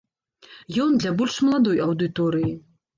Ён для больш маладой аўдыторыі.